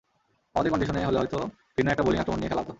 আমাদের কন্ডিশনে হলে হয়তো ভিন্ন একটা বোলিং আক্রমণ নিয়ে খেলা যেত।